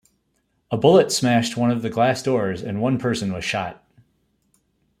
A bullet smashed one of the glass doors and one person was shot.